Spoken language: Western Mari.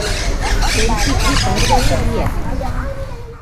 Тӹнь секретарь вӓтӹ лиӓт...